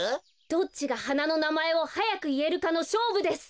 どっちがはなのなまえをはやくいえるかのしょうぶです。